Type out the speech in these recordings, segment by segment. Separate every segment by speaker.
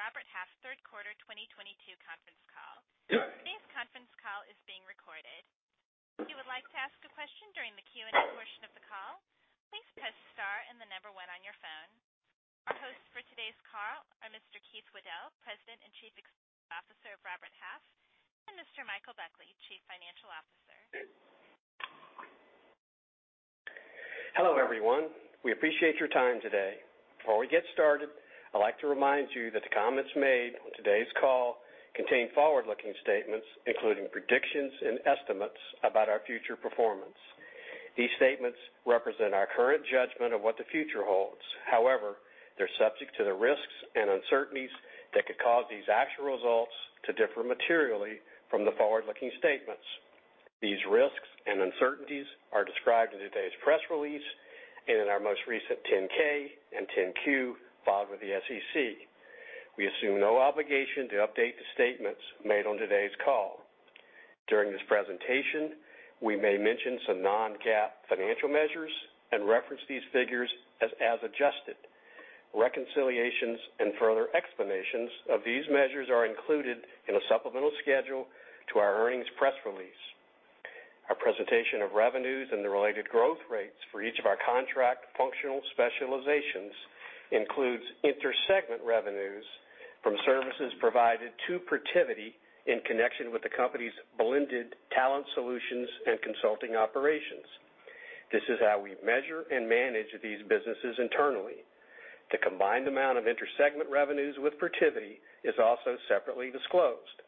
Speaker 1: Hello, and welcome to the Robert Half third quarter 2022 conference call.
Speaker 2: Yeah.
Speaker 1: Today's conference call is being recorded. If you would like to ask a question during the Q&A portion of the call, please press Star and the number One on your phone. Our hosts for today's call are Mr. Keith Waddell, President and Chief Executive Officer of Robert Half, and Mr. Michael Buckley, Chief Financial Officer.
Speaker 2: Hello, everyone. We appreciate your time today. Before we get started, I'd like to remind you that the comments made on today's call contain forward-looking statements, including predictions and estimates about our future performance. These statements represent our current judgment of what the future holds. However, they're subject to the risks and uncertainties that could cause these actual results to differ materially from the forward-looking statements. These risks and uncertainties are described in today's press release and in our most recent 10-K and 10-Q filed with the SEC. We assume no obligation to update the statements made on today's call. During this presentation, we may mention some non-GAAP financial measures and reference these figures as adjusted. Reconciliations and further explanations of these measures are included in a supplemental schedule to our earnings press release. Our presentation of revenues and the related growth rates for each of our contract functional specializations includes inter-segment revenues from services provided to Protiviti in connection with the company's blended talent solutions and consulting operations. This is how we measure and manage these businesses internally. The combined amount of inter-segment revenues with Protiviti is also separately disclosed.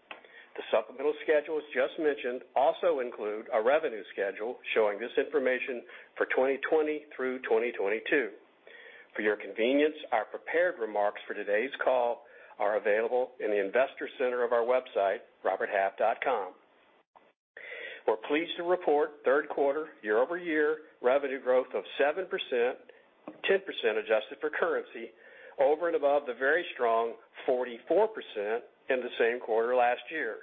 Speaker 2: The supplemental schedules just mentioned also include a revenue schedule showing this information for 2020 through 2022. For your convenience, our prepared remarks for today's call are available in the investor center of our website, roberthalf.com. We're pleased to report third quarter year-over-year revenue growth of 7%, 10% adjusted for currency over and above the very strong 44% in the same quarter last year.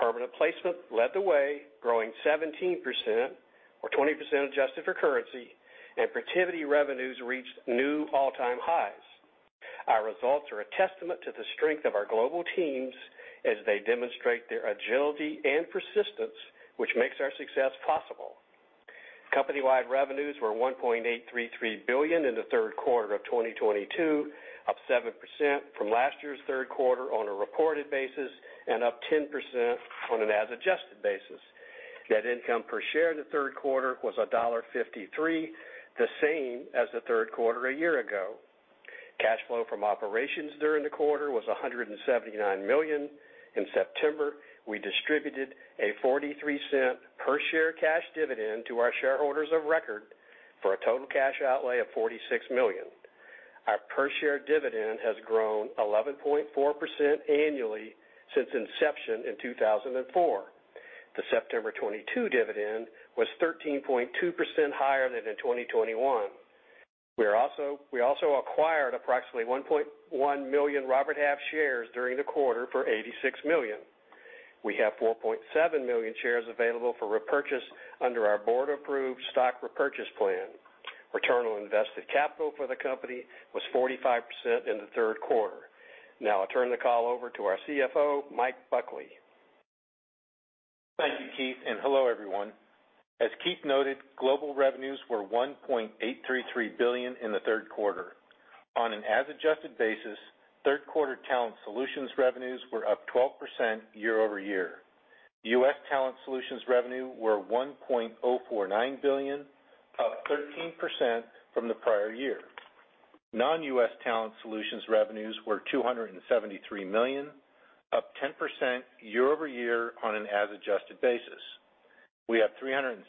Speaker 2: Permanent placements led the way, growing 17% or 20% adjusted for currency, and Protiviti revenues reached new all-time highs. Our results are a testament to the strength of our global teams as they demonstrate their agility and persistence, which makes our success possible. Company-wide revenues were $1.833 billion in the third quarter of 2022, up 7% from last year's third quarter on a reported basis and up 10% on an as adjusted basis. Net income per share in the third quarter was $1.53, the same as the third quarter a year ago. Cash flow from operations during the quarter was $179 million. In September, we distributed a $0.43 per share cash dividend to our shareholders of record for a total cash outlay of $46 million. Our per share dividend has grown 11.4% annually since inception in 2004. The September 2022 dividend was 13.2% higher than in 2021. We also acquired approximately 1.1 million Robert Half shares during the quarter for $86 million. We have 4.7 million shares available for repurchase under our board-approved stock repurchase plan. Return on invested capital for the company was 45% in the third quarter. Now I turn the call over to our CFO, Mike Buckley.
Speaker 3: Thank you, Keith, and hello, everyone. As Keith noted, global revenues were $1.833 billion in the third quarter. On an as adjusted basis, third quarter Talent Solutions revenues were up 12% year-over-year. U.S. Talent Solutions revenue were $1.049 billion, up 13% from the prior year. Non-U.S. Talent Solutions revenues were $273 million, up 10% year-over-year on an as adjusted basis. We have 316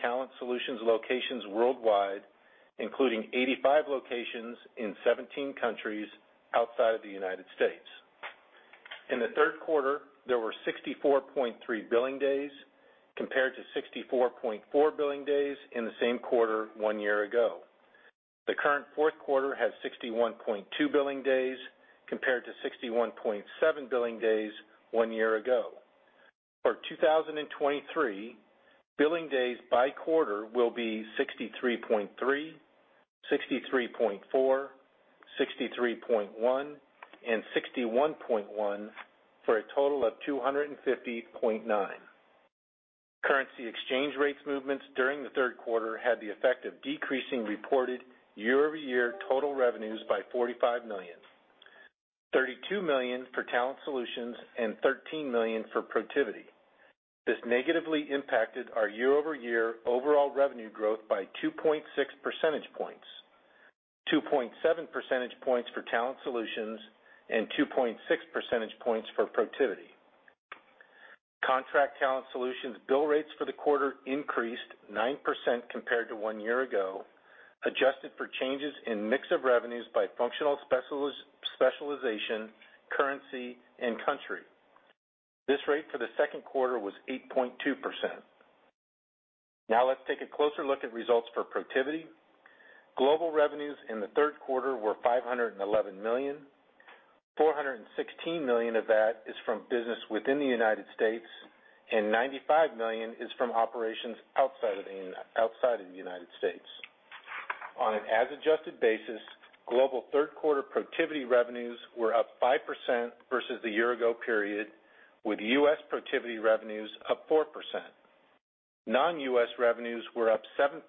Speaker 3: Talent Solutions locations worldwide, including 85 locations in 17 countries outside of the United States. In the third quarter, there were 64.3 billing days compared to 64.4 billing days in the same quarter one year ago. The current fourth quarter has 61.2 billing days compared to 61.7 billing days one year ago. For 2023, billing days by quarter will be 63.3, 63.4, 63.1, and 61.1 for a total of 250.9. Currency exchange rate movements during the third quarter had the effect of decreasing reported year-over-year total revenues by $45 million. $32 million for Talent Solutions and $13 million for Protiviti. This negatively impacted our year-over-year overall revenue growth by 2.6 percentage points. 2.7 percentage points for Talent Solutions and 2.6 percentage points for Protiviti. Contract Talent Solutions bill rates for the quarter increased 9% compared to one year ago, adjusted for changes in mix of revenues by functional specialization, currency, and country. This rate for the second quarter was 8.2%. Now let's take a closer look at results for Protiviti. Global revenues in the third quarter were $511 million. $416 million of that is from business within the United States, and $95 million is from operations outside of the United States. On an as adjusted basis, global third quarter Protiviti revenues were up 5% versus the year ago period, with U.S. Protiviti revenues up 4%. Non-U.S. revenues were up 7%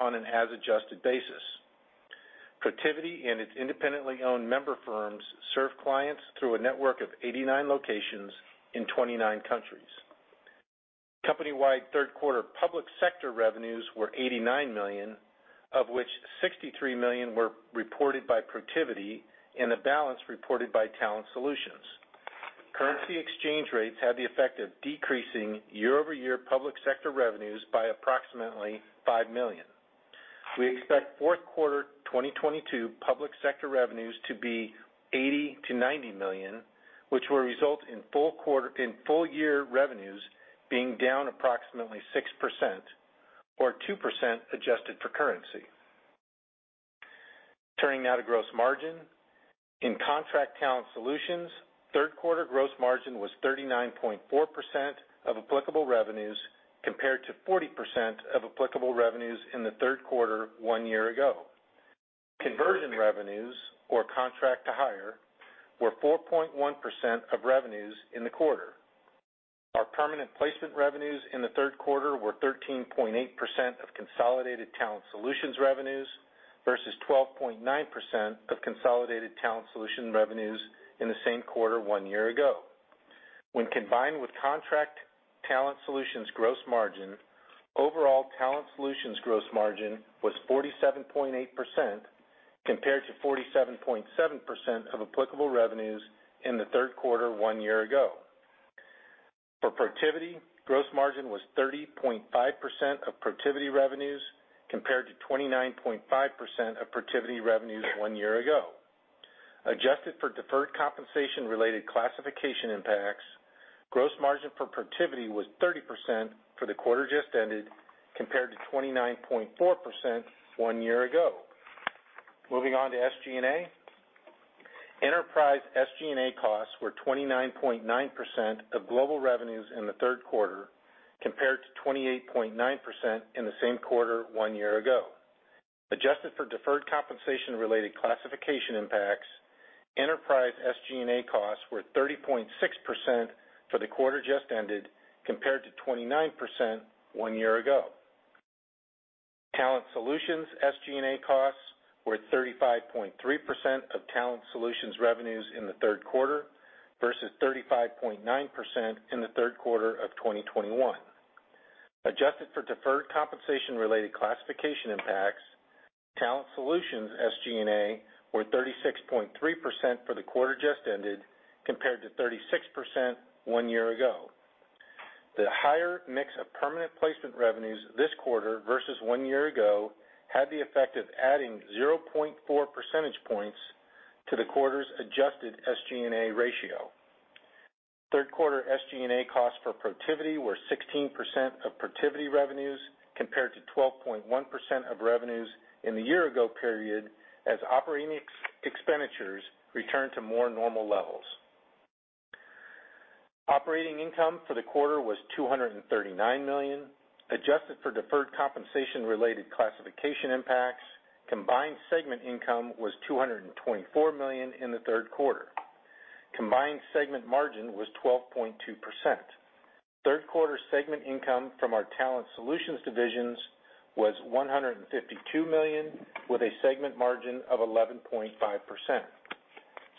Speaker 3: on an as adjusted basis. Protiviti and its independently owned member firms serve clients through a network of 89 locations in 29 countries. Company-wide third quarter public sector revenues were $89 million, of which $63 million were reported by Protiviti and the balance reported by Talent Solutions. Currency exchange rates had the effect of decreasing year-over-year public sector revenues by approximately $5 million. We expect fourth quarter 2022 public sector revenues to be $80 million-$90 million, which will result in full year revenues being down approximately 6% or 2% adjusted for currency. Turning now to gross margin. In Contract Talent Solutions, third quarter gross margin was 39.4% of applicable revenues compared to 40% of applicable revenues in the third quarter one year ago. Conversion revenues or contract-to-hire were 4.1% of revenues in the quarter. Our permanent placement revenues in the third quarter were 13.8% of consolidated Talent Solutions revenues versus 12.9% of consolidated Talent Solutions revenues in the same quarter one year ago. When combined with Contract Talent Solutions gross margin, overall Talent Solutions gross margin was 47.8% compared to 47.7% of applicable revenues in the third quarter one year ago. For Protiviti, gross margin was 30.5% of Protiviti revenues compared to 29.5% of Protiviti revenues one year ago. Adjusted for deferred compensation-related classification impacts, gross margin for Protiviti was 30% for the quarter just ended compared to 29.4% one year ago. Moving on to SG&A. Enterprise SG&A costs were 29.9% of global revenues in the third quarter compared to 28.9% in the same quarter one year ago. Adjusted for deferred compensation-related classification impacts, enterprise SG&A costs were 30.6% for the quarter just ended compared to 29% one year ago. Talent Solutions SG&A costs were 35.3% of Talent Solutions revenues in the third quarter versus 35.9% in the third quarter of 2021. Adjusted for deferred compensation-related classification impacts, Talent Solutions SG&A were 36.3% for the quarter just ended compared to 36% one year ago. The higher mix of permanent placement revenues this quarter versus one year ago had the effect of adding 0.4 percentage points to the quarter's adjusted SG&A ratio. Third quarter SG&A costs for Protiviti were 16% of Protiviti revenues compared to 12.1% of revenues in the year ago period as operating expenditures returned to more normal levels. Operating income for the quarter was $239 million. Adjusted for deferred compensation-related classification impacts, combined segment income was $224 million in the third quarter. Combined segment margin was 12.2%. Third quarter segment income from our Talent Solutions divisions was $152 million with a segment margin of 11.5%.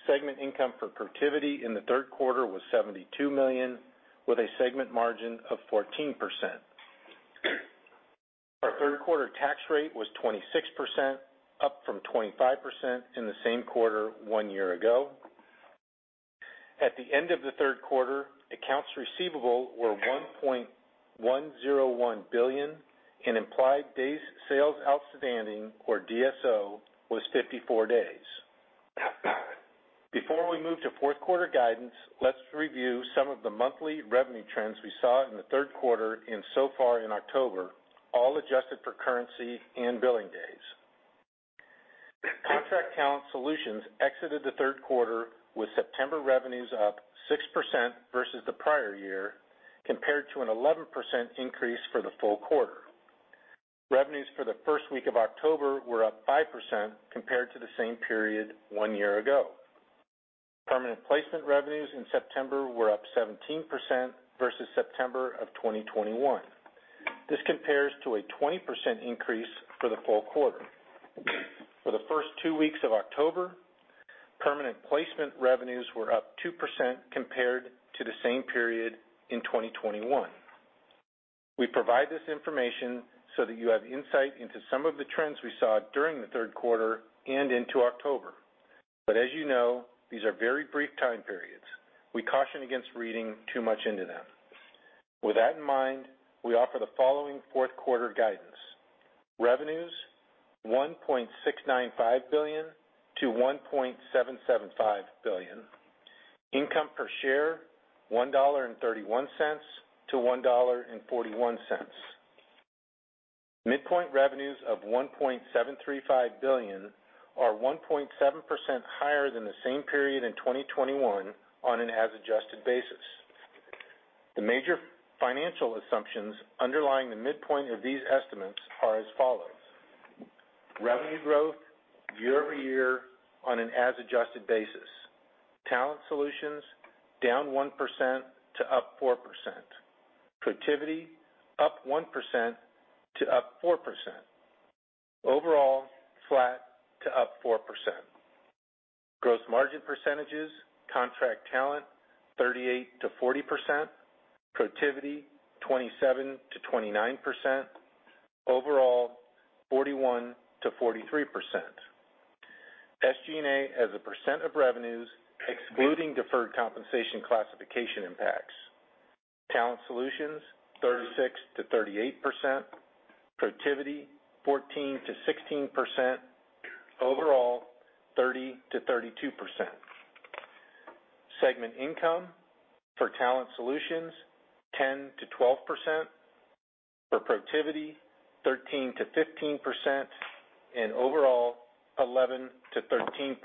Speaker 3: Segment income for Protiviti in the third quarter was $72 million with a segment margin of 14%. Our third quarter tax rate was 26%, up from 25% in the same quarter one year ago. At the end of the third quarter, accounts receivable were $1.101 billion and implied days sales outstanding or DSO was 54 days. Before we move to fourth quarter guidance, let's review some of the monthly revenue trends we saw in the third quarter and so far in October, all adjusted for currency and billing days. Contract Talent Solutions exited the third quarter with September revenues up 6% versus the prior year compared to an 11% increase for the full quarter. Revenues for the first week of October were up 5% compared to the same period one year ago. Permanent Placement revenues in September were up 17% versus September of 2021. This compares to a 20% increase for the full quarter. For the first two weeks of October, Permanent Placement revenues were up 2% compared to the same period in 2021. We provide this information so that you have insight into some of the trends we saw during the third quarter and into October. As you know, these are very brief time periods. We caution against reading too much into them. With that in mind, we offer the following fourth quarter guidance. Revenues, $1.695 billion-$1.775 billion. Income per share, $1.31-$1.41. Midpoint revenues of $1.735 billion are 1.7% higher than the same period in 2021 on an as adjusted basis. The major financial assumptions underlying the midpoint of these estimates are as follows. Revenue growth year over year on an as adjusted basis. Talent Solutions down 1% to up 4%. Protiviti up 1% to up 4%. Overall, flat to up 4%. Gross margin percentages, Contract Talent 38%-40%. Protiviti 27%-29%. Overall, 41%-43%. SG&A as a percent of revenues excluding deferred compensation classification impacts. Talent Solutions 36%-38%. Protiviti 14%-16%. Overall, 30%-32%. Segment income for Talent Solutions 10%-12%. For Protiviti, 13%-15%. Overall 11%-13%.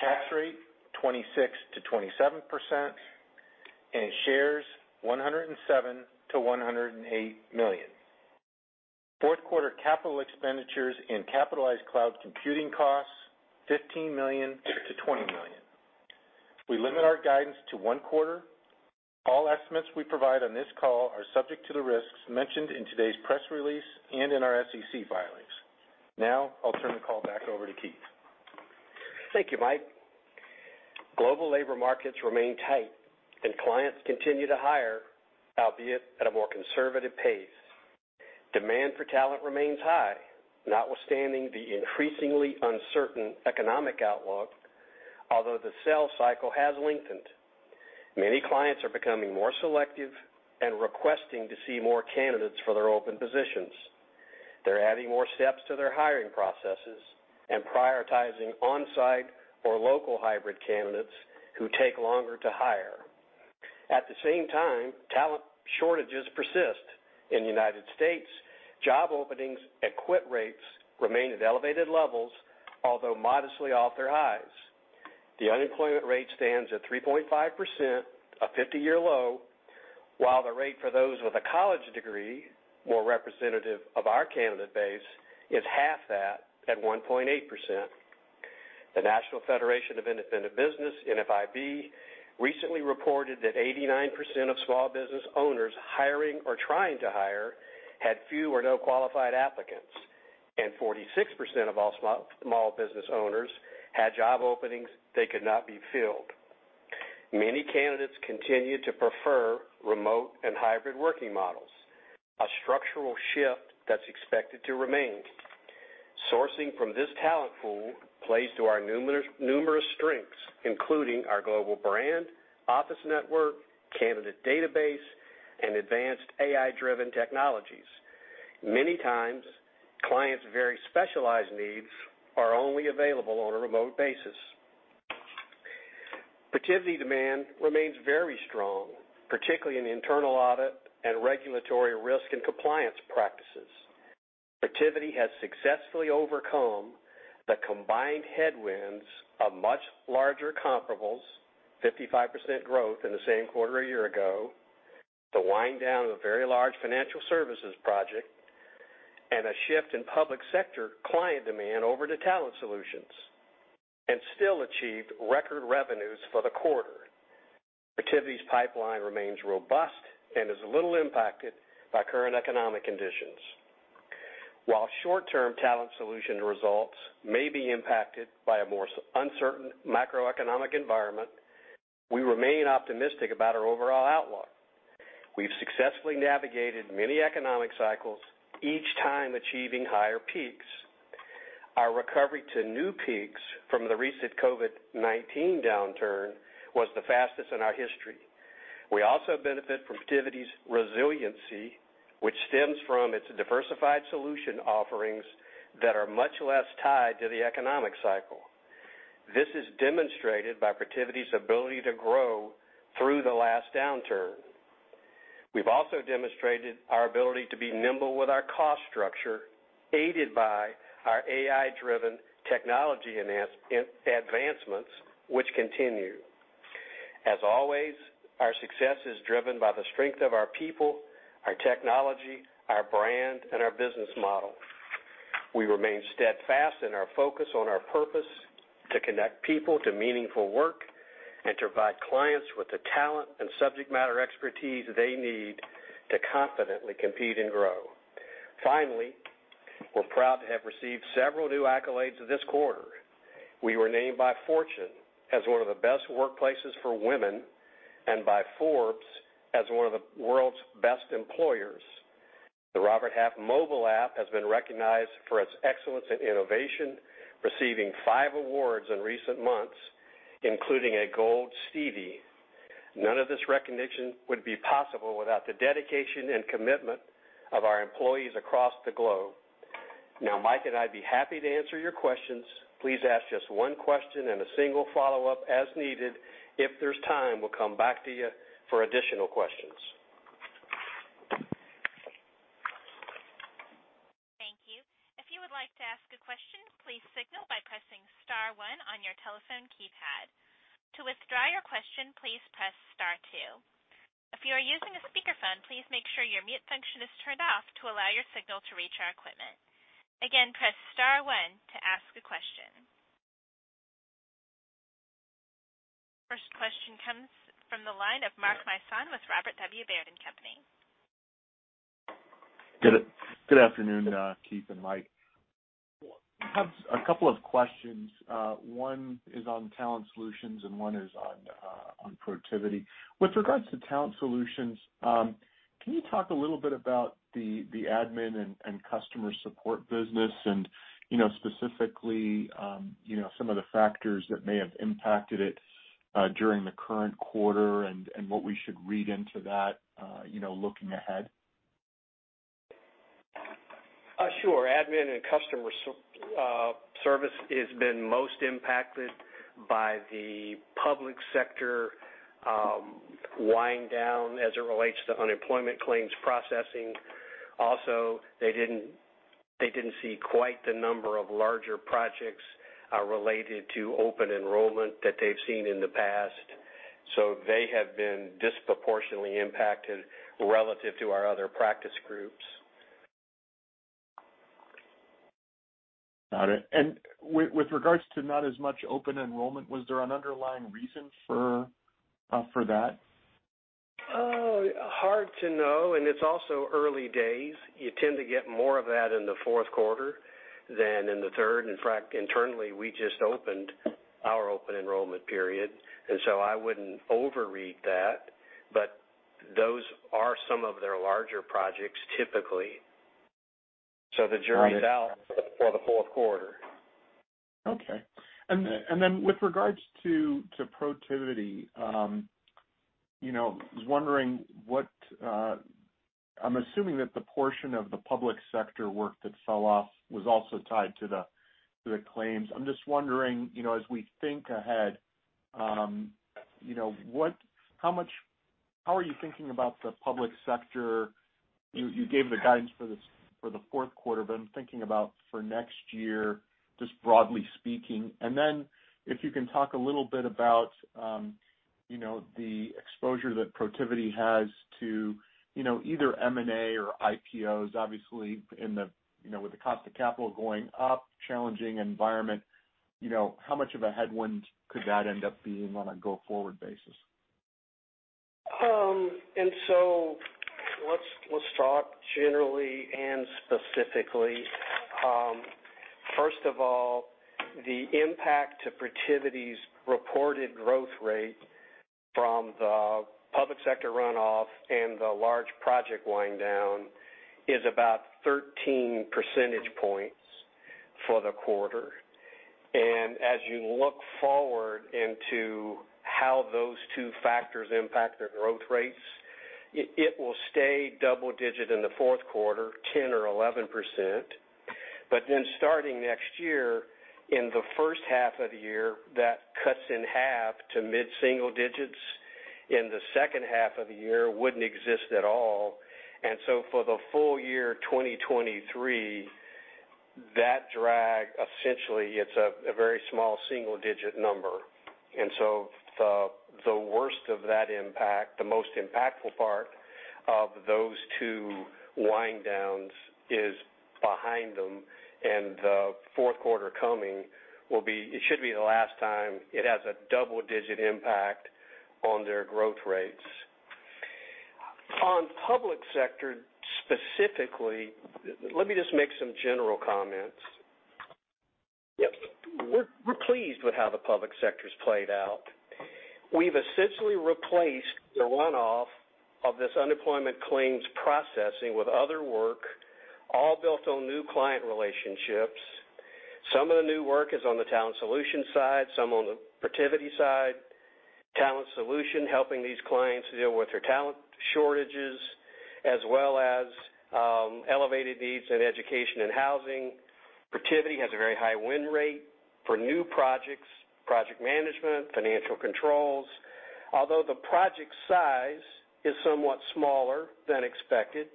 Speaker 3: Tax rate 26%-27%. Shares 107-108 million. Fourth quarter capital expenditures and capitalized cloud computing costs $15 million-$20 million. We limit our guidance to one quarter. All estimates we provide on this call are subject to the risks mentioned in today's press release and in our SEC filings. Now I'll turn the call back over to Keith.
Speaker 2: Thank you, Mike. Global labor markets remain tight and clients continue to hire, albeit at a more conservative pace. Demand for talent remains high notwithstanding the increasingly uncertain economic outlook. Although the sales cycle has lengthened, many clients are becoming more selective and requesting to see more candidates for their open positions. They're adding more steps to their hiring processes and prioritizing on-site or local hybrid candidates who take longer to hire. At the same time, talent shortages persist. In the United States, job openings and quit rates remain at elevated levels, although modestly off their highs. The unemployment rate stands at 3.5%, a 50-year low, while the rate for those with a college degree, more representative of our candidate base, is half that at 1.8%. The National Federation of Independent Business, NFIB, recently reported that 89% of small business owners hiring or trying to hire had few or no qualified applicants, and 46% of all small business owners had job openings that could not be filled. Many candidates continue to prefer remote and hybrid working models, a structural shift that's expected to remain. Sourcing from this talent pool plays to our numerous strengths, including our global brand, office network, candidate database, and advanced AI-driven technologies. Many times clients' very specialized needs are only available on a remote basis. Protiviti demand remains very strong, particularly in internal audit and regulatory risk and compliance practices. Protiviti has successfully overcome the combined headwinds of much larger comparables, 55% growth in the same quarter a year ago, the wind down of a very large financial services project, and a shift in public sector client demand over to Talent Solutions, and still achieved record revenues for the quarter. Protiviti's pipeline remains robust and is little impacted by current economic conditions. While short-term Talent Solutions results may be impacted by a more uncertain macroeconomic environment, we remain optimistic about our overall outlook. We've successfully navigated many economic cycles, each time achieving higher peaks. Our recovery to new peaks from the recent COVID-19 downturn was the fastest in our history. We also benefit from Protiviti's resiliency, which stems from its diversified solution offerings that are much less tied to the economic cycle. This is demonstrated by Protiviti's ability to grow through the last downturn. We've also demonstrated our ability to be nimble with our cost structure, aided by our AI-driven technology advancements which continue. As always, our success is driven by the strength of our people, our technology, our brand, and our business model. We remain steadfast in our focus on our purpose to connect people to meaningful work and to provide clients with the talent and subject matter expertise they need to confidently compete and grow. Finally, we're proud to have received several new accolades this quarter. We were named by Fortune as one of the best workplaces for women, and by Forbes as one of the world's best employers. The Robert Half mobile app has been recognized for its excellence in innovation, receiving five awards in recent months, including a Gold Stevie. None of this recognition would be possible without the dedication and commitment of our employees across the globe. Now Mike and I'd be happy to answer your questions. Please ask just one question and a single follow-up as needed. If there's time, we'll come back to you for additional questions.
Speaker 1: Thank you. If you would like to ask a question, please signal by pressing star one on your telephone keypad. To withdraw your question, please press star two. If you are using a speakerphone, please make sure your mute function is turned off to allow your signal to reach our equipment. Again, press star one to ask a question. First question comes from the line of Mark Marcon with Robert W. Baird & Co.
Speaker 4: Good afternoon, Keith and Mike. I have a couple of questions. One is on Talent Solutions and one is on Protiviti. With regards to Talent Solutions, can you talk a little bit about the admin and customer support business and, you know, specifically, some of the factors that may have impacted it during the current quarter and what we should read into that, you know, looking ahead?
Speaker 2: Sure. Admin and customer service has been most impacted by the public sector winding down as it relates to unemployment claims processing. Also, they didn't see quite the number of larger projects related to open enrollment that they've seen in the past. They have been disproportionately impacted relative to our other practice groups.
Speaker 4: Got it. With regards to not as much open enrollment, was there an underlying reason for that?
Speaker 2: Hard to know, and it's also early days. You tend to get more of that in the fourth quarter than in the third. In fact, internally, we just opened our open enrollment period, and so I wouldn't overread that. Those are some of their larger projects typically. The jury's out for the fourth quarter.
Speaker 4: With regards to Protiviti, you know, I was wondering. I'm assuming that the portion of the public sector work that fell off was also tied to the claims. I'm just wondering, you know, as we think ahead, you know, how are you thinking about the public sector? You gave the guidance for the fourth quarter, but I'm thinking about for next year, just broadly speaking. If you can talk a little bit about, you know, the exposure that Protiviti has to, you know, either M&A or IPOs. Obviously, you know, with the cost of capital going up, challenging environment, you know, how much of a headwind could that end up being on a go-forward basis?
Speaker 2: Let's talk generally and specifically. First of all, the impact to Protiviti's reported growth rate from the public sector runoff and the large project wind down is about 13 percentage points for the quarter. As you look forward into how those two factors impact their growth rates, it will stay double-digit in the fourth quarter, 10 or 11%. Starting next year, in the first half of the year, that cuts in half to mid-single digits. In the second half of the year, it wouldn't exist at all. For the full year 2023, that drag, essentially, it's a very small single-digit number. The worst of that impact, the most impactful part of those two wind downs is behind them. The fourth quarter coming will be, it should be the last time it has a double-digit impact on their growth rates. On public sector, specifically, let me just make some general comments. We're pleased with how the public sector's played out. We've essentially replaced the runoff of this unemployment claims processing with other work, all built on new client relationships. Some of the new work is on the Talent Solution side, some on the Protiviti side. Talent Solution, helping these clients deal with their talent shortages, as well as elevated needs in education and housing. Protiviti has a very high win rate for new projects, project management, financial controls. Although the project size is somewhat smaller than expected,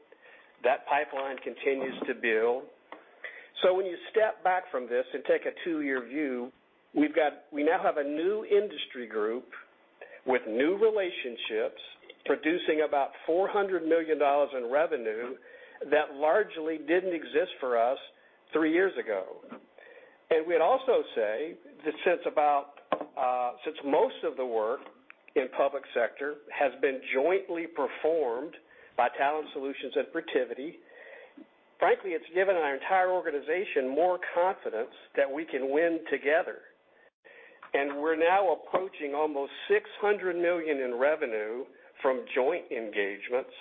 Speaker 2: that pipeline continues to build. When you step back from this and take a 2-year view, we now have a new industry group with new relationships producing about $400 million in revenue that largely didn't exist for us 3 years ago. We'd also say that since most of the work in public sector has been jointly performed by Talent Solutions and Protiviti, frankly, it's given our entire organization more confidence that we can win together. We're now approaching almost $600 million in revenue from joint engagements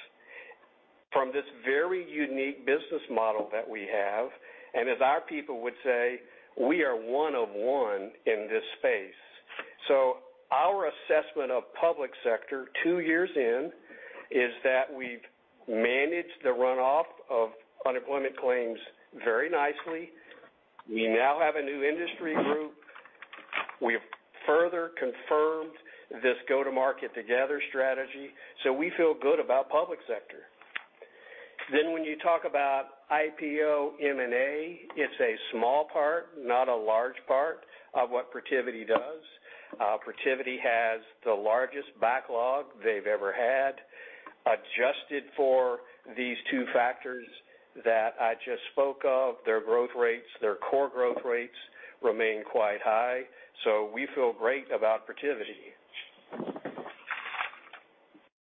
Speaker 2: from this very unique business model that we have. As our people would say, we are one of one in this space. Our assessment of public sector 2 years in is that we've managed the runoff of unemployment claims very nicely. We now have a new industry group. We have further confirmed this go-to-market-together strategy, so we feel good about public sector. When you talk about IPO M&A, it's a small part, not a large part of what Protiviti does. Protiviti has the largest backlog they've ever had. Adjusted for these two factors that I just spoke of, their growth rates, their core growth rates remain quite high. We feel great about Protiviti.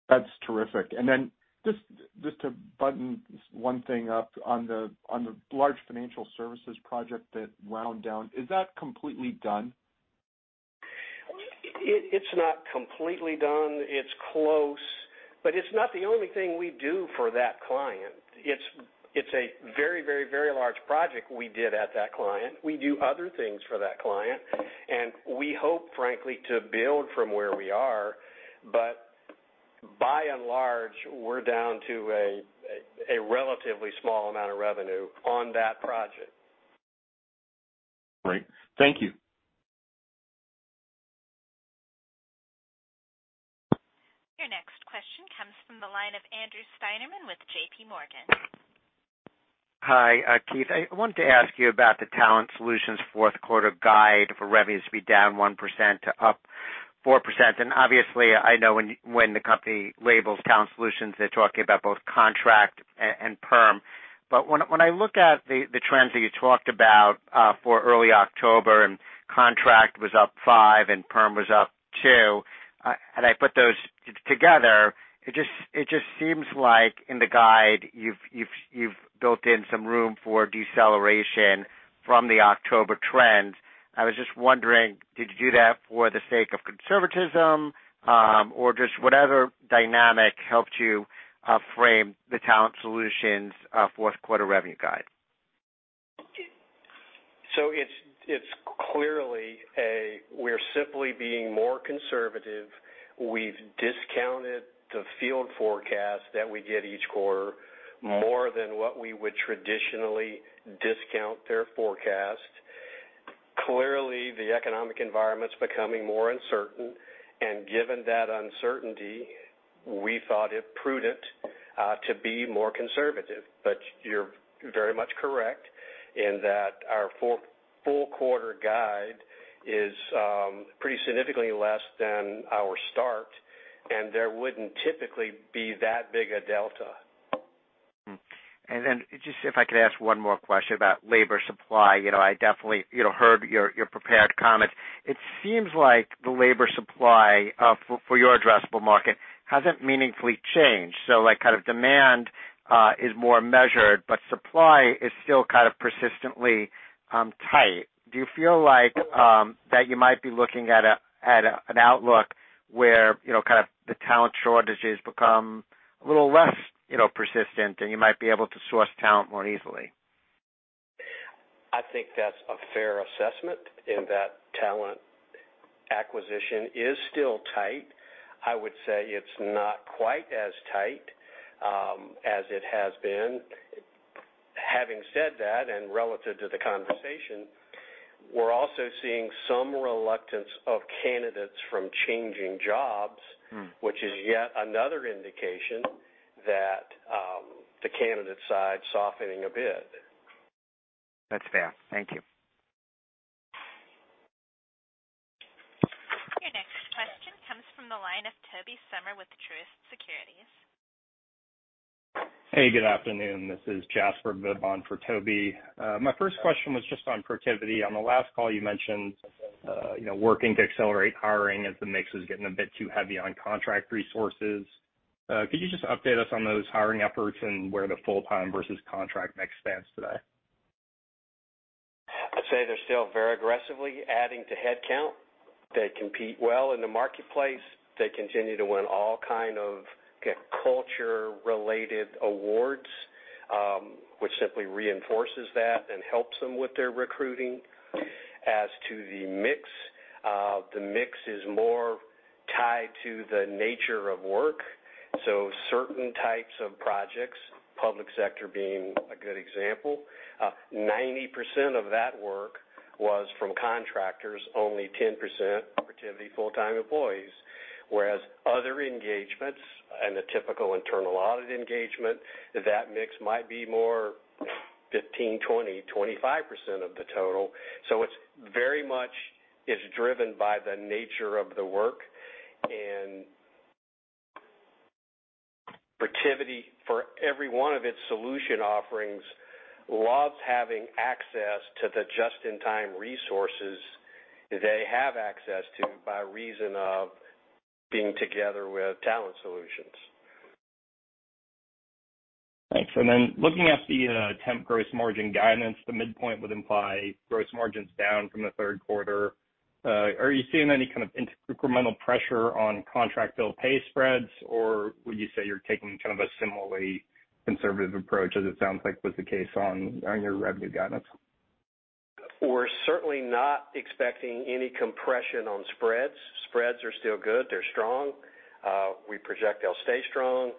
Speaker 4: That's terrific. Just to button one thing up on the large financial services project that wound down, is that completely done?
Speaker 2: It's not completely done. It's close, but it's not the only thing we do for that client. It's a very large project we did at that client. We do other things for that client, and we hope, frankly, to build from where we are. By and large, we're down to a relatively small amount of revenue on that project.
Speaker 4: Great. Thank you.
Speaker 1: Your next question comes from the line of Andrew Steinerman with J.P. Morgan.
Speaker 5: Hi, Keith. I wanted to ask you about the Talent Solutions fourth quarter guide for revenues to be down 1% to up 4%. Obviously, I know when the company labels Talent Solutions, they're talking about both contract and perm. When I look at the trends that you talked about for early October and contract was up 5% and perm was up 2%, and I put those together, it just seems like in the guide, you've built in some room for deceleration from the October trends. I was just wondering, did you do that for the sake of conservatism, or just whatever dynamic helped you frame the Talent Solutions fourth quarter revenue guide?
Speaker 2: It's clearly that we're simply being more conservative. We've discounted the field forecast that we get each quarter more than what we would traditionally discount their forecast. Clearly, the economic environment's becoming more uncertain, and given that uncertainty, we thought it prudent to be more conservative. You're very much correct in that our full quarter guide is pretty significantly less than our start, and there wouldn't typically be that big a delta.
Speaker 5: Just if I could ask one more question about labor supply. You know, I definitely, you know, heard your prepared comments. It seems like the labor supply for your addressable market hasn't meaningfully changed. Like kind of demand is more measured, but supply is still kind of persistently tight. Do you feel like that you might be looking at an outlook where, you know, kind of the talent shortages become a little less, you know, persistent, and you might be able to source talent more easily?
Speaker 2: I think that's a fair assessment in that talent acquisition is still tight. I would say it's not quite as tight, as it has been. Having said that, and relative to the conversation, we're also seeing some reluctance of candidates from changing jobs.
Speaker 5: Mm.
Speaker 2: which is yet another indication that the candidate side softening a bit.
Speaker 5: That's fair. Thank you.
Speaker 1: Your next question comes from the line of Tobey Sommer with Truist Securities.
Speaker 6: Hey, good afternoon. This is Jasper Bibow for Tobey. My first question was just on Protiviti. On the last call you mentioned, you know, working to accelerate hiring as the mix was getting a bit too heavy on contract resources. Could you just update us on those hiring efforts and where the full-time versus contract mix stands today?
Speaker 2: I'd say they're still very aggressively adding to headcount. They compete well in the marketplace. They continue to win all kind of culture-related awards, which simply reinforces that and helps them with their recruiting. As to the mix, the mix is more tied to the nature of work. Certain types of projects, public sector being a good example, 90% of that work was from contractors, only 10% Protiviti full-time employees, whereas other engagements and the typical internal audit engagement, that mix might be more 15, 20, 25% of the total. It's very much is driven by the nature of the work. Protiviti, for every one of its solution offerings, loves having access to the just-in-time resources they have access to by reason of being together with Talent Solutions.
Speaker 6: Thanks. Looking at the temp gross margin guidance, the midpoint would imply gross margins down from the third quarter. Are you seeing any kind of incremental pressure on contract bill pay spreads, or would you say you're taking kind of a similarly conservative approach as it sounds like was the case on your revenue guidance?
Speaker 2: We're certainly not expecting any compression on spreads. Spreads are still good. They're strong. We project they'll stay strong.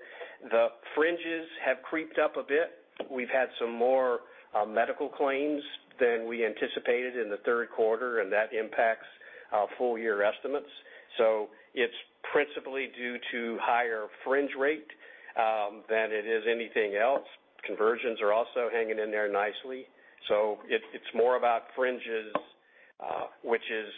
Speaker 2: The fringes have crept up a bit. We've had some more medical claims than we anticipated in the third quarter, and that impacts our full year estimates. It's principally due to higher fringe rate than it is anything else. Conversions are also hanging in there nicely. It's more about fringes, which is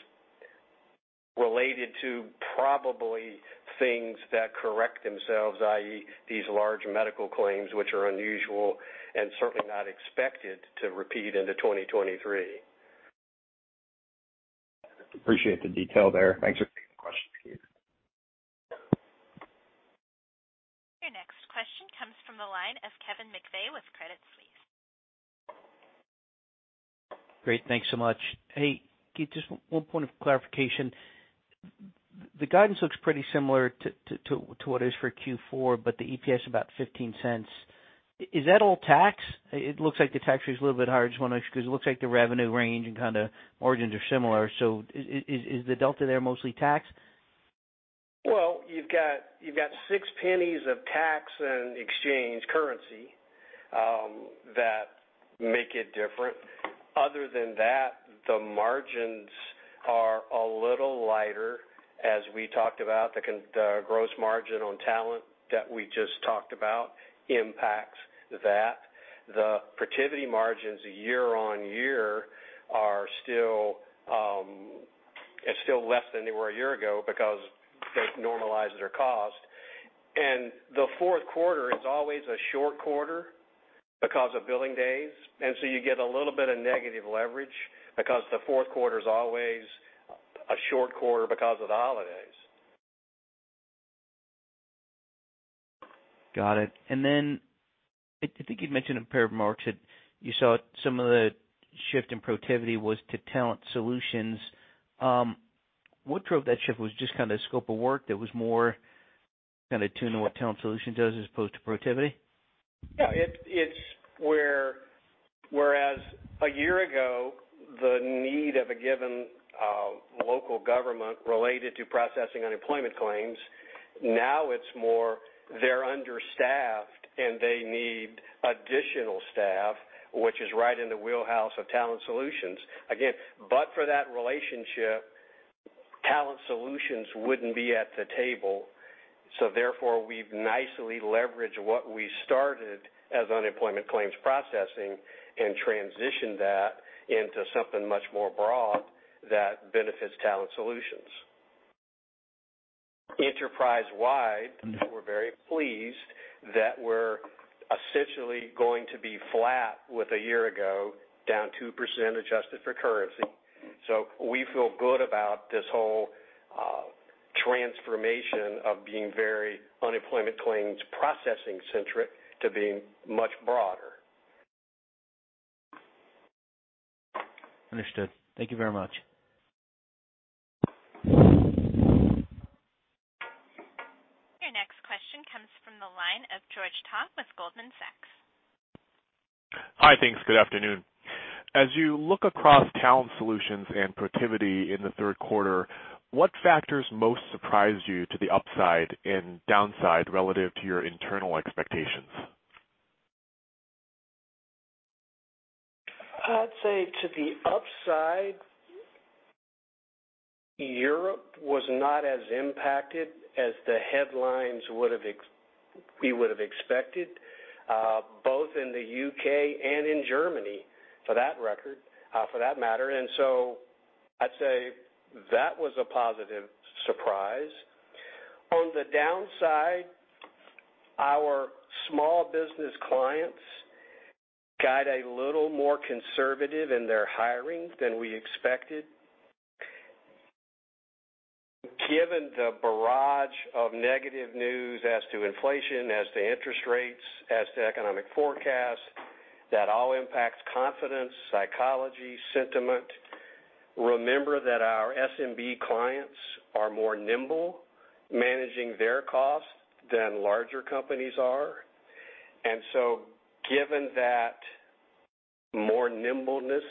Speaker 2: related to probably things that correct themselves, i.e., these large medical claims, which are unusual and certainly not expected to repeat into 2023. Appreciate the detail there. Thanks for taking the question, Keith.
Speaker 1: Your next question comes from the line of Kevin McVeigh with Credit Suisse.
Speaker 7: Great. Thanks so much. Hey, Keith, just one point of clarification. The guidance looks pretty similar to what is for Q4, but the EPS about $0.15. Is that all tax? It looks like the tax is a little bit higher. I just wanna make sure 'cause it looks like the revenue range and kinda margins are similar. Is the delta there mostly tax?
Speaker 2: You've got six pennies of tax and exchange currency that make it different. Other than that, the margins are a little lighter. As we talked about, the gross margin on Talent that we just talked about impacts that. The Protiviti margins year-over-year are still is still less than they were a year ago because that normalizes their cost. The fourth quarter is always a short quarter because of billing days, and so you get a little bit of negative leverage because the fourth quarter is always a short quarter because of the holidays.
Speaker 7: Got it. I think you'd mentioned in prepared remarks that you saw some of the shift in Protiviti was to Talent Solutions. What drove that shift was just kinda the scope of work that was more kinda tuned to what Talent Solutions does as opposed to Protiviti.
Speaker 2: Yeah. It's whereas a year ago, the need of a given local government related to processing unemployment claims. Now it's more they're understaffed and they need additional staff, which is right in the wheelhouse of Talent Solutions. Again, but for that relationship, Talent Solutions wouldn't be at the table. Therefore, we've nicely leveraged what we started as unemployment claims processing and transitioned that into something much more broad that benefits Talent Solutions. Enterprise-wide.
Speaker 7: Mm-hmm.
Speaker 2: We're very pleased that we're essentially going to be flat with a year ago, down 2% adjusted for currency. We feel good about this whole transformation of being very unemployment claims processing-centric to being much broader.
Speaker 7: Understood. Thank you very much.
Speaker 1: Your next question comes from the line of George Tong with Goldman Sachs.
Speaker 8: Hi. Thanks. Good afternoon. As you look across Talent Solutions and Protiviti in the third quarter, what factors most surprised you to the upside and downside relative to your internal expectations?
Speaker 2: I'd say to the upside, Europe was not as impacted as we would have expected, both in the UK and in Germany, for that matter. I'd say that was a positive surprise. On the downside, our small business clients got a little more conservative in their hiring than we expected. Given the barrage of negative news as to inflation, as to interest rates, as to economic forecasts, that all impacts confidence, psychology, sentiment. Remember that our SMB clients are more nimble managing their costs than larger companies are. Given that more nimbleness,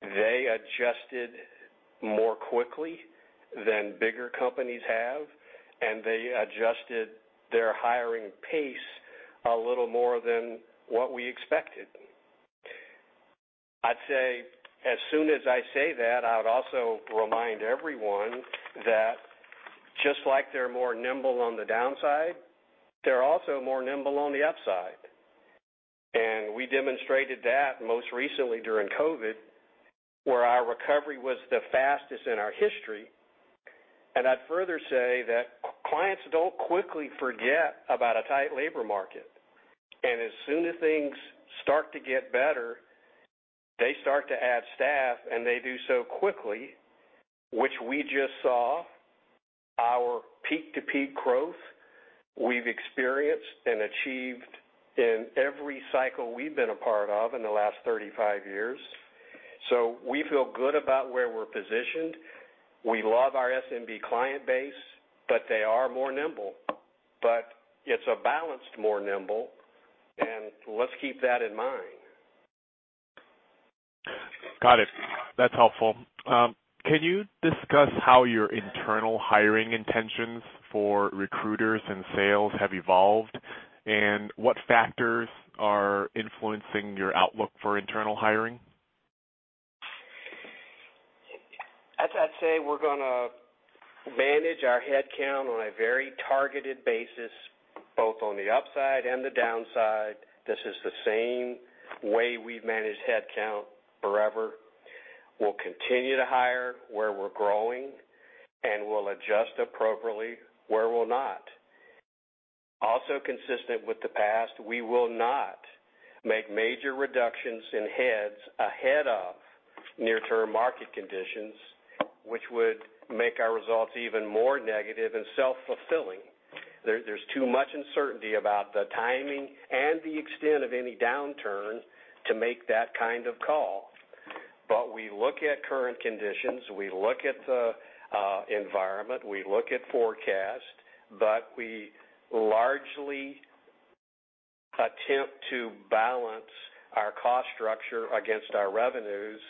Speaker 2: they adjusted more quickly than bigger companies have, and they adjusted their hiring pace a little more than what we expected. I'd say as soon as I say that, I would also remind everyone that just like they're more nimble on the downside, they're also more nimble on the upside. We demonstrated that most recently during COVID, where our recovery was the fastest in our history. I'd further say that clients don't quickly forget about a tight labor market. As soon as things start to get better, they start to add staff, and they do so quickly, which we just saw our peak-to-peak growth we've experienced and achieved in every cycle we've been a part of in the last 35 years. We feel good about where we're positioned. We love our SMB client base, but they are more nimble. It's a balanced more nimble. Let's keep that in mind.
Speaker 8: Got it. That's helpful. Can you discuss how your internal hiring intentions for recruiters and sales have evolved, and what factors are influencing your outlook for internal hiring?
Speaker 2: As I'd say, we're gonna manage our headcount on a very targeted basis, both on the upside and the downside. This is the same way we've managed headcount forever. We'll continue to hire where we're growing, and we'll adjust appropriately where we're not. Also consistent with the past, we will not make major reductions in heads ahead of near-term market conditions, which would make our results even more negative and self-fulfilling. There's too much uncertainty about the timing and the extent of any downturn to make that kind of call. We look at current conditions, we look at the environment, we look at forecast, but we largely attempt to balance our cost structure against our revenues.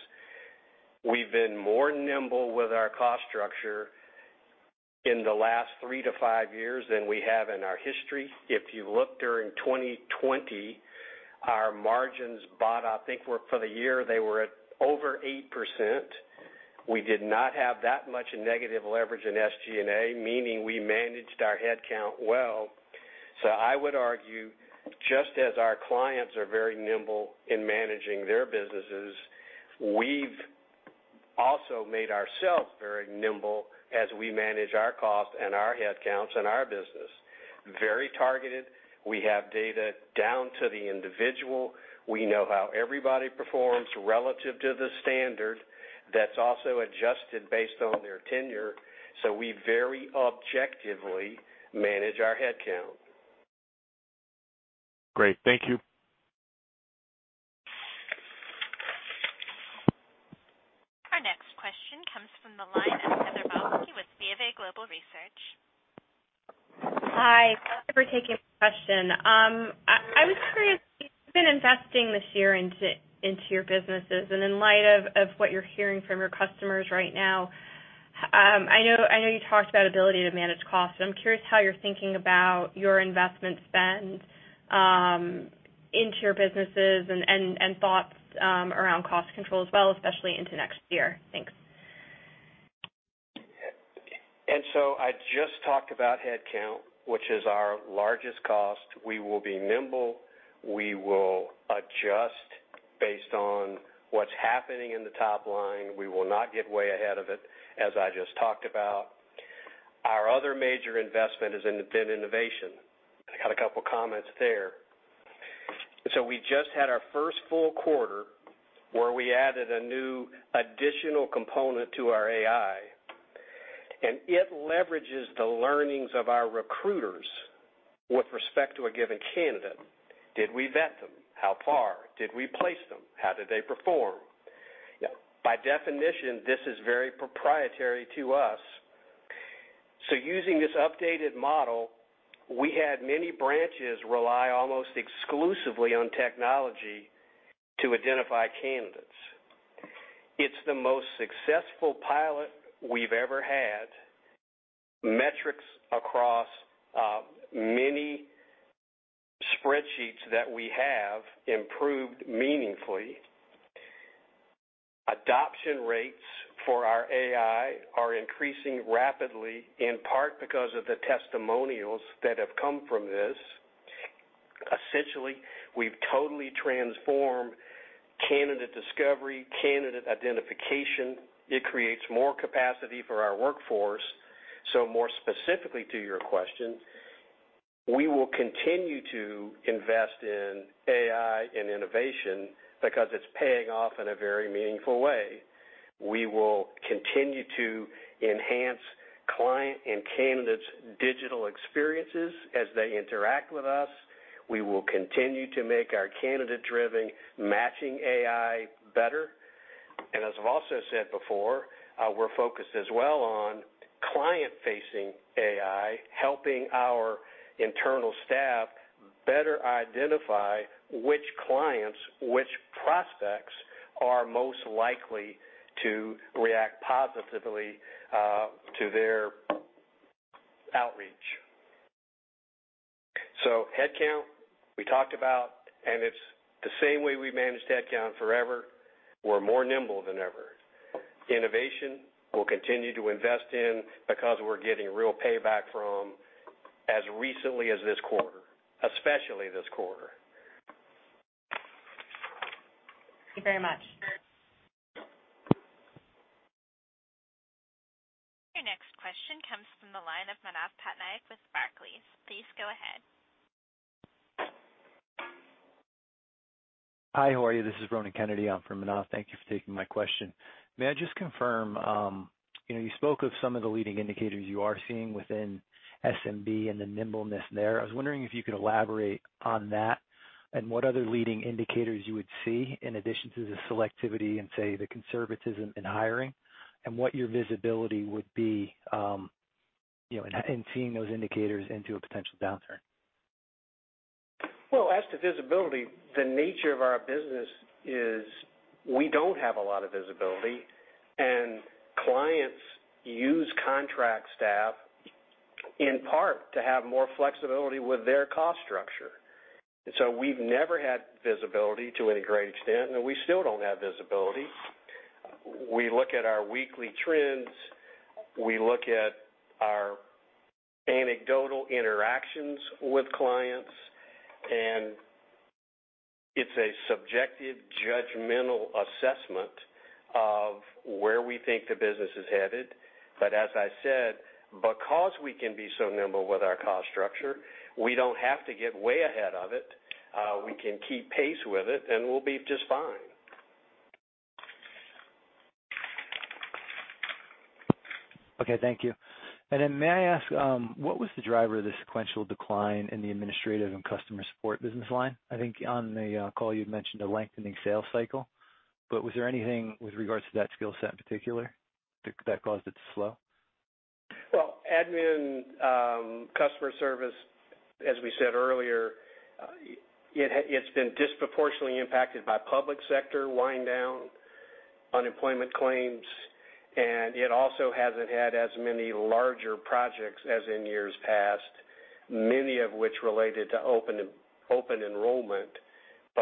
Speaker 2: We've been more nimble with our cost structure in the last three to five years than we have in our history. If you look during 2020, our margins both, I think for the year they were at over 8%. We did not have that much negative leverage in SG&A, meaning we managed our headcount well. I would argue, just as our clients are very nimble in managing their businesses, we've also made ourselves very nimble as we manage our cost and our headcounts and our business. Very targeted. We have data down to the individual. We know how everybody performs relative to the standard that's also adjusted based on their tenure. We very objectively manage our headcount.
Speaker 8: Great. Thank you.
Speaker 1: Our next question comes from the line of Heather Bellini with BofA Global Research.
Speaker 9: Hi. Thank you for taking my question. I was curious, you've been investing this year into your businesses and in light of what you're hearing from your customers right now, I know you talked about ability to manage costs, but I'm curious how you're thinking about your investment spend into your businesses and thoughts around cost control as well, especially into next year. Thanks.
Speaker 2: I just talked about headcount, which is our largest cost. We will be nimble. We will adjust based on what's happening in the top line. We will not get way ahead of it, as I just talked about. Our other major investment has been innovation. I got a couple comments there. We just had our first full quarter where we added a new additional component to our AI, and it leverages the learnings of our recruiters with respect to a given candidate. Did we vet them? How far? Did we place them? How did they perform? By definition, this is very proprietary to us. Using this updated model, we had many branches rely almost exclusively on technology to identify candidates. It's the most successful pilot we've ever had. Metrics across many spreadsheets that we have improved meaningfully. Adoption rates for our AI are increasing rapidly, in part because of the testimonials that have come from this. Essentially, we've totally transformed candidate discovery, candidate identification. It creates more capacity for our workforce. More specifically to your question, we will continue to invest in AI and innovation because it's paying off in a very meaningful way. We will continue to enhance client and candidates' digital experiences as they interact with us. We will continue to make our candidate-driven matching AI better. As I've also said before, we're focused as well on client-facing AI, helping our internal staff better identify which clients, which prospects are most likely to react positively, to their outreach. Headcount, we talked about, and it's the same way we managed headcount forever. We're more nimble than ever. Innovation, we'll continue to invest in because we're getting real payback from as recently as this quarter, especially this quarter.
Speaker 9: Thank you very much.
Speaker 1: Your next question comes from the line of Manav Patnaik with Barclays. Please go ahead.
Speaker 10: Hi, how are you? This is Ronan Kennedy in for Manav Patnaik. Thank you for taking my question. May I just confirm, you know, you spoke of some of the leading indicators you are seeing within SMB and the nimbleness there. I was wondering if you could elaborate on that and what other leading indicators you would see in addition to the selectivity and say, the conservatism in hiring, and what your visibility would be, you know, and seeing those indicators into a potential downturn.
Speaker 2: Well, as to visibility, the nature of our business is we don't have a lot of visibility, and clients use contract staff in part to have more flexibility with their cost structure. We've never had visibility to any great extent, and we still don't have visibility. We look at our weekly trends, we look at our anecdotal interactions with clients, and it's a subjective, judgmental assessment of where we think the business is headed. As I said, because we can be so nimble with our cost structure, we don't have to get way ahead of it. We can keep pace with it and we'll be just fine.
Speaker 10: Okay, thank you. May I ask what was the driver of the sequential decline in the administrative and customer support business line? I think on the call you'd mentioned a lengthening sales cycle, but was there anything with regards to that skill set in particular that caused it to slow?
Speaker 2: Well, admin, customer service, as we said earlier, it's been disproportionately impacted by public sector wind down unemployment claims, and it also hasn't had as many larger projects as in years past, many of which related to open enrollment.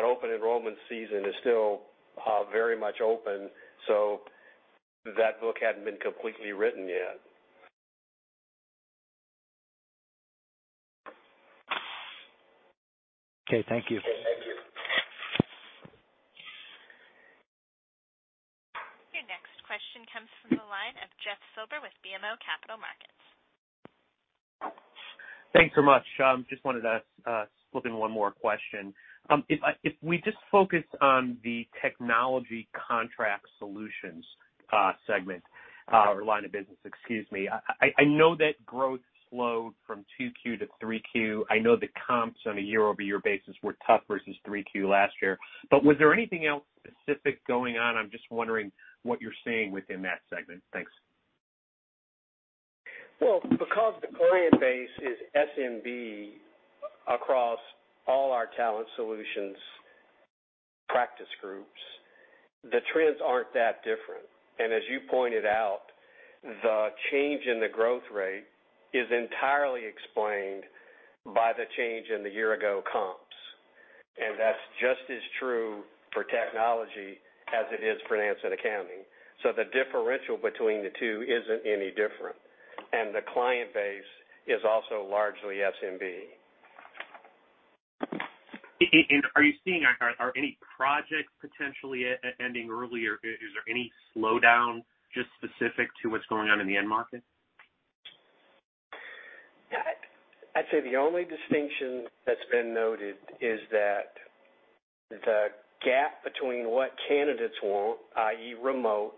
Speaker 2: Open enrollment season is still, very much open, so that book hadn't been completely written yet.
Speaker 10: Okay, thank you.
Speaker 1: Your next question comes from the line of Jeffrey Silber with BMO Capital Markets.
Speaker 11: Thanks so much. Just wanted to slip in one more question. If we just focus on the technology contract solutions segment or line of business, excuse me. I know that growth slowed from 2Q to 3Q. I know the comps on a year-over-year basis were tough versus 3Q last year. Was there anything else specific going on? I'm just wondering what you're seeing within that segment. Thanks.
Speaker 2: Well, because the client base is SMB across all our Talent Solutions practice groups, the trends aren't that different. As you pointed out, the change in the growth rate is entirely explained by the change in the year-ago comps. That's just as true for technology as it is for finance and accounting. The differential between the two isn't any different. The client base is also largely SMB.
Speaker 11: Are you seeing any projects potentially ending early or is there any slowdown just specific to what's going on in the end market?
Speaker 2: Yeah, I'd say the only distinction that's been noted is that the gap between what candidates want, i.e., remote,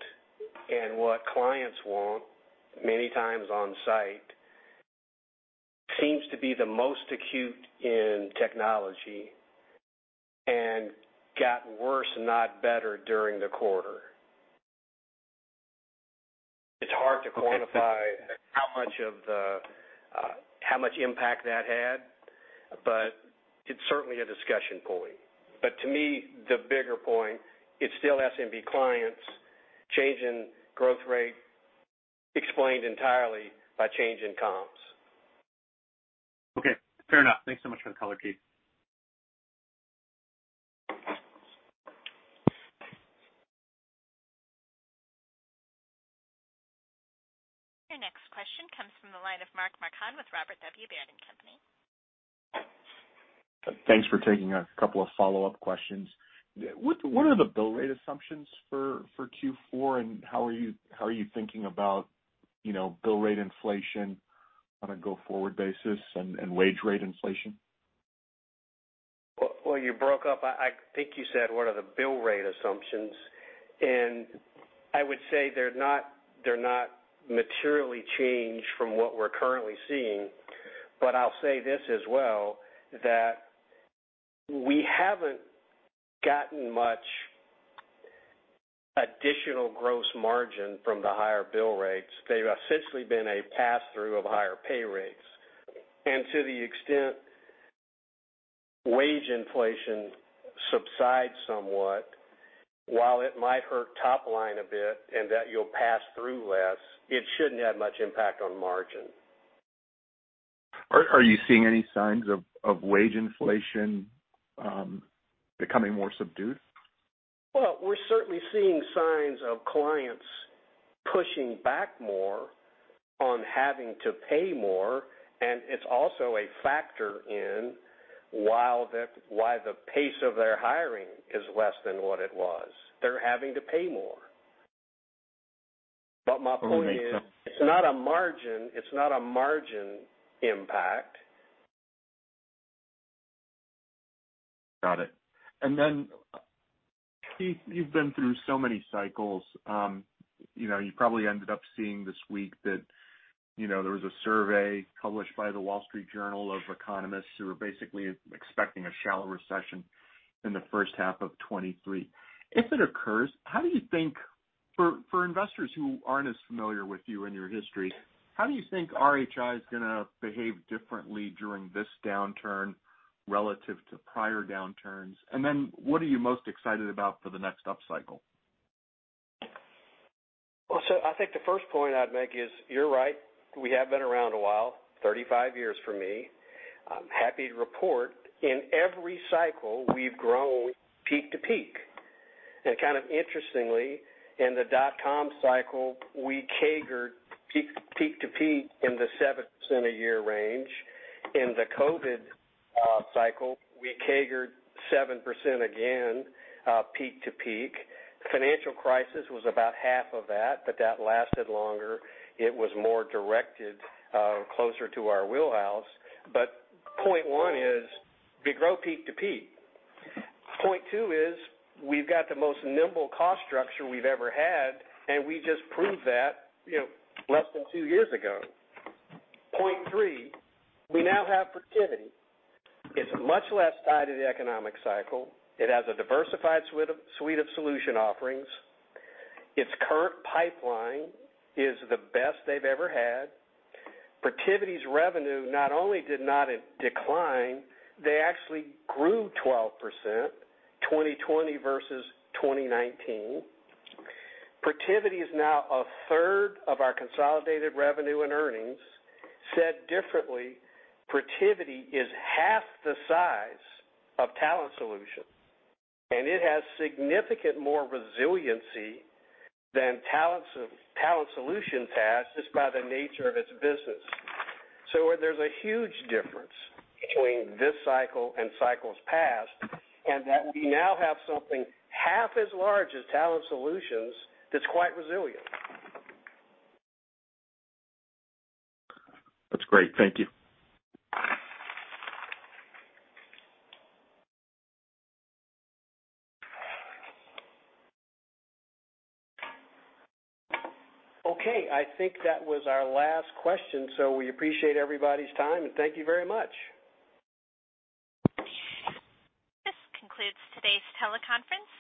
Speaker 2: and what clients want, many times on site, seems to be the most acute in technology and got worse, not better, during the quarter. It's hard to quantify how much of the, how much impact that had, but it's certainly a discussion point. To me, the bigger point, it's still SMB clients changing growth rate explained entirely by change in comps.
Speaker 11: Okay, fair enough. Thanks so much for the color, Keith.
Speaker 1: Your next question comes from the line of Mark Marcon with Robert W. Baird & Co.
Speaker 4: Thanks for taking a couple of follow-up questions. What are the bill rate assumptions for Q4 and how are you thinking about, you know, bill rate inflation on a go-forward basis and wage rate inflation?
Speaker 2: Well, you broke up. I think you said what are the bill rate assumptions? I would say they're not materially changed from what we're currently seeing. I'll say this as well, that we haven't gotten much additional gross margin from the higher bill rates. They've essentially been a pass through of higher pay rates. To the extent wage inflation subsides somewhat, while it might hurt top line a bit and that you'll pass through less, it shouldn't have much impact on margin.
Speaker 4: Are you seeing any signs of wage inflation becoming more subdued?
Speaker 2: Well, we're certainly seeing signs of clients pushing back more on having to pay more, and it's also a factor in why the pace of their hiring is less than what it was. They're having to pay more. My point is, it's not a margin impact.
Speaker 4: Got it. Keith, you've been through so many cycles. You probably ended up seeing this week that there was a survey published by The Wall Street Journal of economists who are basically expecting a shallow recession in the first half of 2023. If it occurs, for investors who aren't as familiar with you and your history, how do you think RHI is gonna behave differently during this downturn relative to prior downturns, and then what are you most excited about for the next upcycle?
Speaker 2: I think the first point I'd make is you're right, we have been around a while, 35 years for me. I'm happy to report in every cycle we've grown peak to peak. Kind of interestingly, in the dotcom cycle, we CAGR peak to peak in the 7% a year range. In the COVID cycle, we CAGR 7% again, peak to peak. Financial crisis was about half of that, but that lasted longer. It was more directed, closer to our wheelhouse. Point one is we grow peak to peak. Point two is we've got the most nimble cost structure we've ever had, and we just proved that, you know, less than 2 years ago. Point three, we now have Protiviti. It's much less tied to the economic cycle. It has a diversified suite of solution offerings. It's current pipeline is the best they've ever had. Protiviti's revenue not only did not decline, they actually grew 12% 2020 versus 2019. Protiviti is now a third of our consolidated revenue and earnings. Said differently, Protiviti is half the size of Talent Solutions, and it has significant more resiliency than Talent Solutions has just by the nature of its business. There's a huge difference between this cycle and cycles past, and that we now have something half as large as Talent Solutions that's quite resilient.
Speaker 4: That's great. Thank you.
Speaker 2: Okay, I think that was our last question, so we appreciate everybody's time and thank you very much.
Speaker 1: This concludes today's teleconference.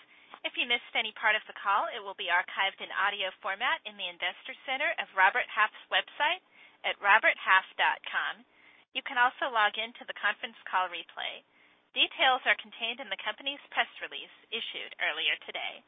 Speaker 1: If you missed any part of the call, it will be archived in audio format in the investor center of Robert Half's website at roberthalf.com. You can also log in to the conference call replay. Details are contained in the company's press release issued earlier today.